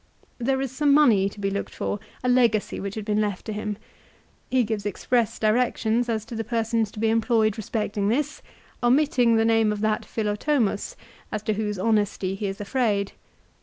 There is some money to be looked for, a legacy which had been left to him. He gives express directions as to the persons to be employed respecting this, omitting the name of that Philotomus as to whose honesty he is afraid.